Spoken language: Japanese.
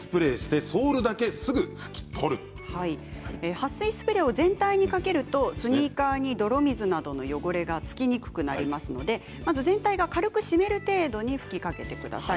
はっ水スプレーを全体にかけるとスニーカーに泥水などの汚れが付きにくくなりますので全体が軽くしめる程度吹きかけてください。